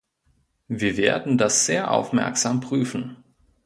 Wir werden das sehr aufmerksam prüfen.